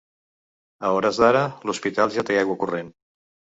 A hores d’ara, l’hospital ja té aigua corrent.